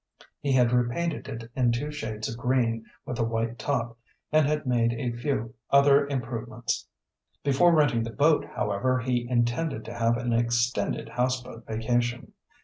He had repainted it in two shades of green with a white top, and had made a few other improvements. Before renting the boat, however, he intended to have an extended houseboat vacation.